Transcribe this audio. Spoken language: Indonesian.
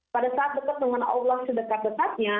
pada saat dekat dengan allah sedekat dekatnya